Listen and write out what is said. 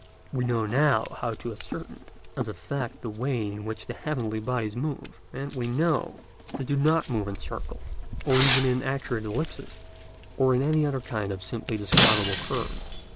We know now how to ascertain as a fact the way in which the heavenly bodies move, and we know that they do not move in circles, or even in accurate ellipses, or in any other kind of simply describable curve.